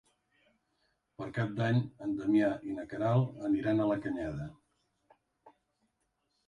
Per Cap d'Any en Damià i na Queralt aniran a la Canyada.